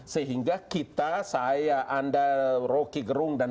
sehingga kita saya anda roky gerung dan